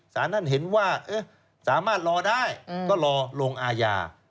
สารท่านเห็นว่าสามารถรอได้ก็รอลงอาญา